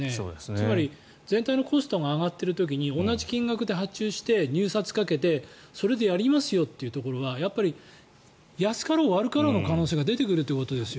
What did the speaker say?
つまり全体のコストが上がっている時に同じ金額で発注して入札をかけてそれでやりますよというところは安かろう悪かろうの可能性が出てくるということですよ。